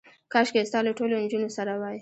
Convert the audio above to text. کاشکې ستا له ټولو نجونو سره وای.